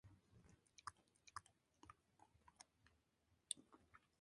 Es la parada final de la Línea de Abetxuko.